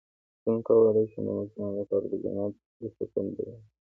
څنګه کولی شم د ماشومانو لپاره د جنت د سکون بیان کړم